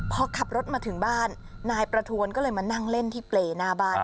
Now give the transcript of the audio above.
พอขับรถมาถึงบ้านนายประทวนก็เลยมานั่งเล่นที่เปรย์หน้าบ้าน